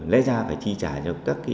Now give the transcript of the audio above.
lẽ ra phải chi trả cho các đơn vị